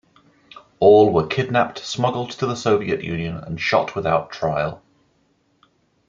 All were kidnapped, smuggled to the Soviet Union, and shot without trial.